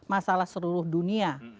masalah seluruh dunia